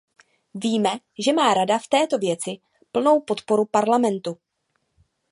Víme, že má Rada v této věci plnou podporu Parlamentu.